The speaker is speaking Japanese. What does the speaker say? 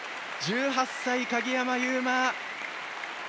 １８歳、鍵山優真。